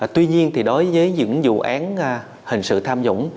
tuy nhiên thì đối với những vụ án hình sự tham nhũng